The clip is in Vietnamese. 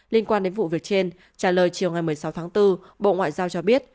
liên quan đến vụ việc trên trả lời chiều ngày một mươi sáu tháng bốn bộ ngoại giao cho biết